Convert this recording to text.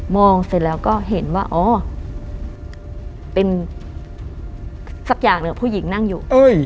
เสร็จแล้วก็เห็นว่าอ๋อเป็นสักอย่างหนึ่งผู้หญิงนั่งอยู่